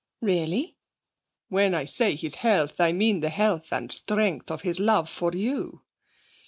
'Really?' 'When I say his health, I mean the health and strength of his love for you.